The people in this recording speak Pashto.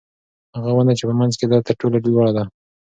هغه ونه چې په منځ کې ده تر ټولو لوړه ده.